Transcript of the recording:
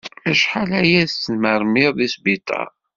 Acḥal aya i yettmermid di sbiṭar.